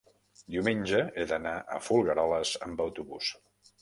diumenge he d'anar a Folgueroles amb autobús.